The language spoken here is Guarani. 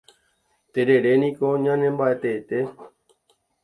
Terere niko ñanembaʼe teete.